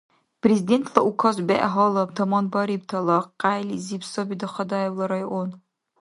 Президентла Указ бегӀ гьалаб таманбарибтала къяйлизиб саби Дахадаевла район.